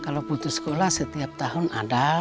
kalau putus sekolah setiap tahun ada